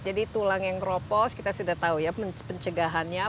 jadi tulang yang ropos kita sudah tahu ya pencegahannya